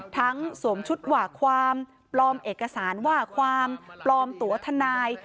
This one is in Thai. สวมชุดหว่าความปลอมเอกสารว่าความปลอมตัวทนาย